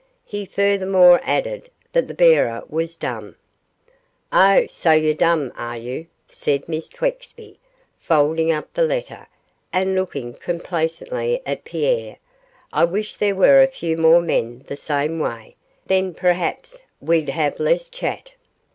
He furthermore added that the bearer was dumb. 'Oh, so you're dumb, are you,' said Miss Twexby, folding up the letter and looking complacently at Pierre. 'I wish there were a few more men the same way; then, perhaps, we'd have less chat.